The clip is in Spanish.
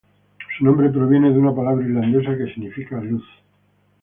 Su nombre proviene de una palabra irlandesa que significa luz.